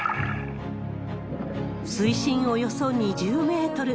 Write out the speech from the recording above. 水深およそ２０メートル。